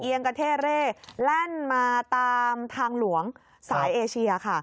กระเท่เร่แล่นมาตามทางหลวงสายเอเชียค่ะ